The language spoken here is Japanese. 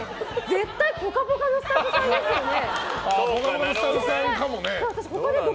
絶対「ぽかぽか」のスタッフさんですよね？